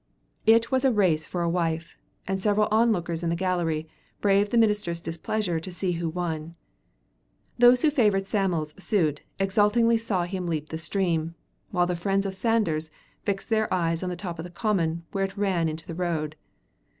It was a race for a wife, and several onlookers in the gallery braved the minister's displeasure to see who won. Those who favored Sam'l's suit exultingly saw him leap the stream, while the friends of Sanders fixed their eyes on the top of the common where it ran into the road.